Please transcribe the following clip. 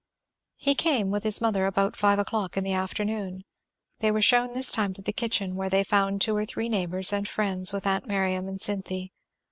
He came, with his mother, about five o'clock in the afternoon. They were shewn this time into the kitchen, where they found two or three neighbours and friends with aunt Miriam and Cynthy.